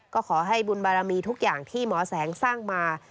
ก็ขอให้บุญบารมีทุกอย่างที่หมอแสงสร้างมา